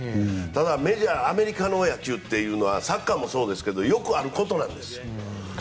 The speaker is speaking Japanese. ただ、アメリカの野球というのはサッカーもそうですけどよくあることなんですよ。